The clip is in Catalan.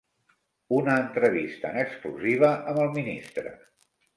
Una entrevista en exclusiva amb el ministre.